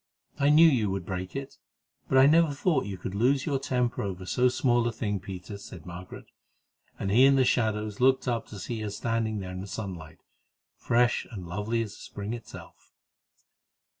"I knew you would break it, but I never thought you could lose your temper over so small a thing, Peter," said Margaret; and he in the shadow looked up to see her standing there in the sunlight, fresh and lovely as the spring itself.